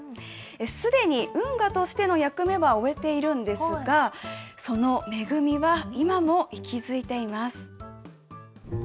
すでに運河としての役目は終えているんですが、その恵みは今も息づいています。